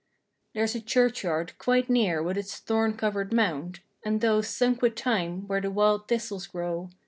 There's a church yard quite near with its thorn covered mound. And those, sunk with time, where the wild thistles grow.